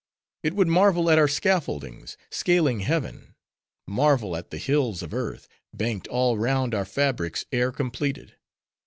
It would marvel at our scaffoldings, scaling heaven; marvel at the hills of earth, banked all round our fabrics ere completed.